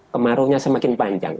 kemaruhnya semakin panjang